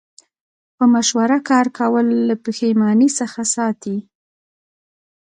په مشوره کار کول له پښیمانۍ څخه ساتي.